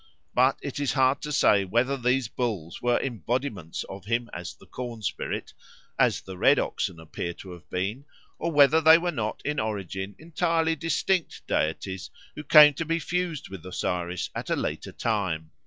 But it is hard to say whether these bulls were embodiments of him as the corn spirit, as the red oxen appear to have been, or whether they were not in origin entirely distinct deities who came to be fused with Osiris at a later time.